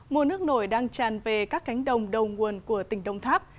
mùa nước nổi đang tràn về các cánh đồng đầu nguồn của tỉnh đông tháp